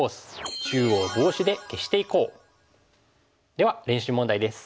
では練習問題です。